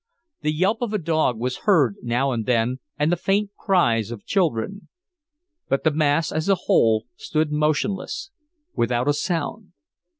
The yelp of a dog was heard now and then and the faint cries of children. But the mass as a whole stood motionless, without a sound.